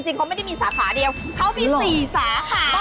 เขาไม่ได้มีสาขาเดียวเขามี๔สาขา